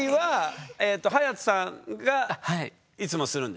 はい。